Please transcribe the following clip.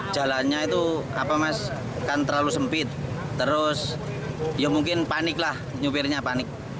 jalannya itu apa mas kan terlalu sempit terus ya mungkin panik lah nyupirnya panik